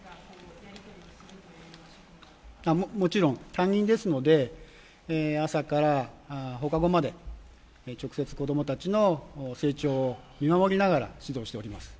担任ですので、朝から放課後まで直接子供たちの成長を見守りながら指導をしております。